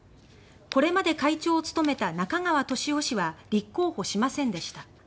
これまで会長を務めた中川俊男氏は立候補しませんでした。